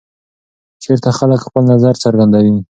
چېرته خلک خپل نظر څرګندوي؟